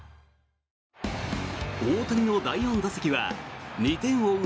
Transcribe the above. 大谷の第４打席は２点を追う